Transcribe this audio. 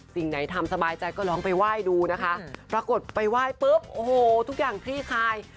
สิ่งไหนทำสบายใจก็ลองไปไหว้ดูนะคะปรากฏไปไหว้ปุ๊บโอ้โหทุกอย่างคลี่คลาย